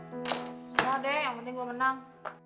semua deh yang penting gue menang